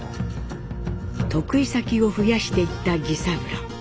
得意先を増やしていった儀三郎。